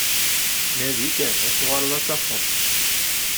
Nadi kan, ad tuɣaleḍ ad t-tafeḍ.